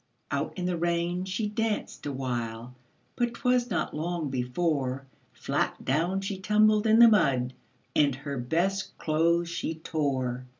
Out in the rain she danced awhile, But 'twas not long before Flat down she tumbled in the mud, And her best clothes she tore.